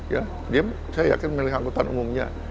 ya saya yakin mereka milih angkutan umumnya